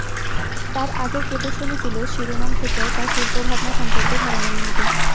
তাঁর আগের প্রদর্শনীগুলো শিরোনাম থেকেও তাঁর শিল্প ভাবনা সম্পর্কে ধারণা মিলবে।